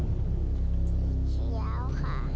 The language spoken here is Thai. สีเขียวค่ะ